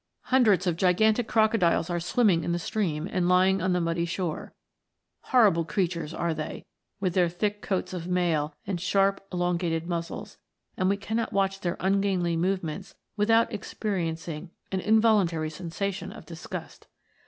Hundreds of gigantic crocodiles are swimming in the stream and lying on the muddy shore ; horrible creatures are they, with their thick coats of mail and sharp elon gated muzzles, and we cannot watch their ungainly movements without experiencing an involuntary sensation of disgust.